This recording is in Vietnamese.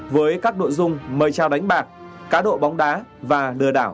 với các đội dung mời trào đánh bạc cá độ bóng đá và lừa đảo